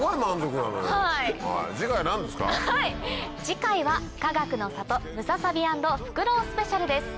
次回はかがくの里ムササビ＆フクロウスペシャルです。